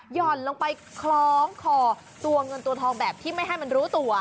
ห่อนลงไปคล้องคอตัวเงินตัวทองแบบที่ไม่ให้มันรู้ตัว